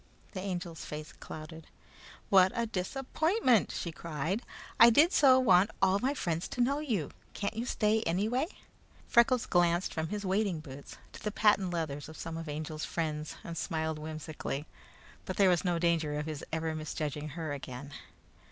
The Angel's face clouded. "What a disappointment!" she cried. "I did so want all my friends to know you. Can't you stay anyway?" Freckles glanced from his wading boots to the patent leathers of some of the Angel's friends, and smiled whimsically, but there was no danger of his ever misjudging her again.